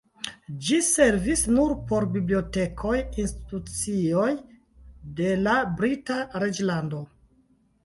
Ĝi servis nur por bibliotekoj, institucioj de la Brita Reĝlando.